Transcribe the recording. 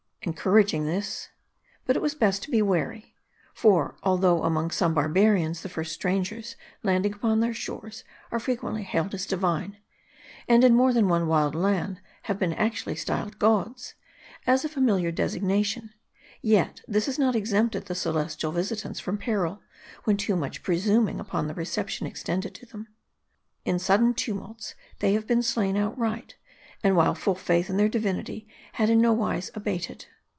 Encouraging this. But it was best to be wary. For although among some barbarians the first strangers landing upon their shores, are frequently hailed as divine ; and in more than one wild land have been actually styled gods, as a familiar designation ; yet this has not exempted the celestial visitants from peril, when too much presuming upon the reception extended to them. In sudden tumults they have been slain outright, and while full faith in their divinity had in no wise abated.